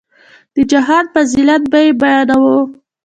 د جهاد فضيلت به يې بياناوه.